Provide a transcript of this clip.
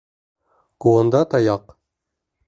Ҡулында таяҡ.